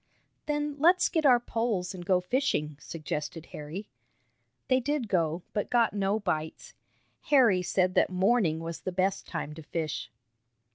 "Then let's get our poles and go fishing," suggested Harry. They did go, but got no bites. Harry said that morning was the best time to fish.